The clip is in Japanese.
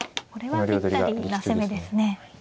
これはぴったりな攻めですね。